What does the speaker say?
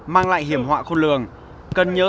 mang lại hiểm họa khôn lường cần nhớ